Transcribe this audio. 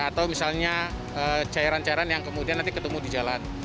atau misalnya cairan cairan yang kemudian nanti ketemu di jalan